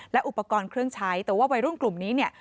และอุปกรณ์เครื่องใช้แต่ว่าวัยรุ่นกลุ่มนี้เนี่ย